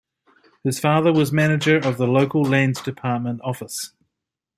His father was manager of the local Lands Department office.